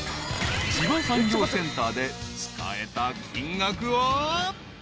［地場産業センターで使えた金額は］